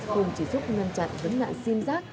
không chỉ giúp ngăn chặn vấn nạn xin rác